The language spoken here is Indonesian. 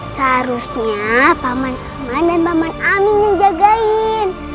seharusnya paman aman dan paman amin yang jagain